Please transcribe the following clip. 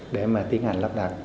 để mà tiến hành lắp đặt